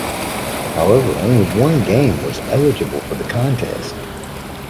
However, only one game was eligible for the contest.